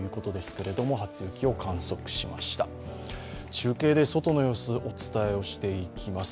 中継で外の様子、お伝えしていきます。